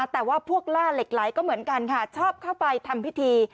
แต่ว่าพวกล่าเหล็กไหลก็เหมือนกันค่ะชอบเข้าไปทำพิธี